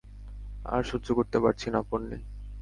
আর সহ্য করতে পারছি না, পোন্নি।